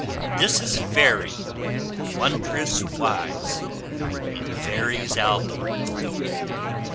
This is Fairy, wondrous wise, IN FAIRY'S ALBUM.